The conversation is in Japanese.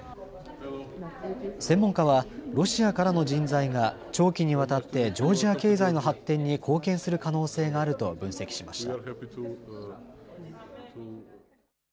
専門家は、ロシアからの人材が長期にわたってジョージア経済の発展に貢献する可能性があると分析しました。